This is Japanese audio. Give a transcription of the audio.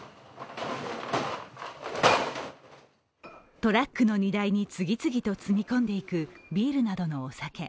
トラックの荷台に次々と積み込んでいくビールなどのお酒。